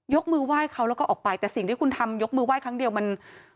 มือไหว้เขาแล้วก็ออกไปแต่สิ่งที่คุณทำยกมือไห้ครั้งเดียวมัน